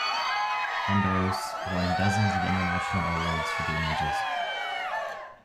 Hondros won dozens of international awards for the images.